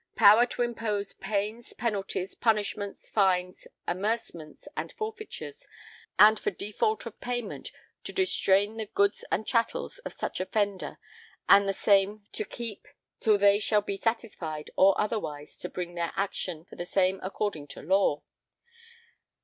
[Power to impose] pains penalties punishments fines amercements and forfeitures ... and for default of payment ... to distrain the goods and chattels of such offender and the same to keep till they shall be satisfied or otherwise to bring their action for the same according to law.